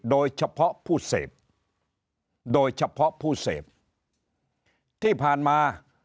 โดยเฉพาะผู้เสพโดยเฉพาะผู้เสพที่ผ่านมา